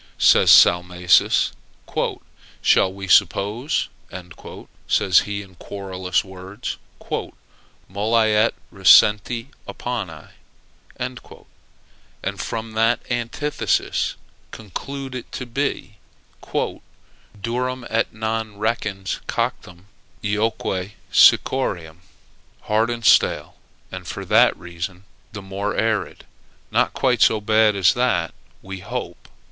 says Salmasius. "Shall we suppose," says he, in querulous words, "molli et recenti opponi," and from that antithesis conclude it to be, "durum et non recens coctum, eoque sicciorem?" Hard and stale, and for that reason the more arid! Not quite so bad as that, we hope.